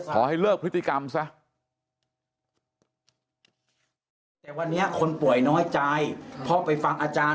ขอให้เลิกพฤติกรรมซะ